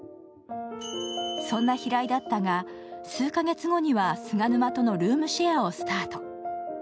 そんな平井だったが、数か月後には菅沼とのルームシェアをスタート。